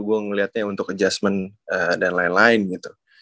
gue ngeliatnya untuk adjustment dan lain lain gitu